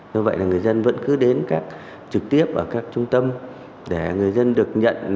do vậy là người dân vẫn cứ đến trực tiếp ở các trung tâm để người dân được nhận một cái nộp trong hồ